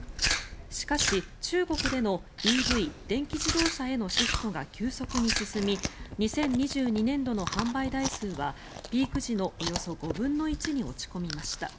しかし、中国でのＥＶ・電気自動車へのシフトが急速に進み２０２２年度の販売台数はピーク時のおよそ５分の１に落ち込みました。